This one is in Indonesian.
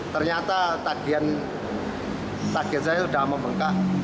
ternyata tagihan saya sudah memengkak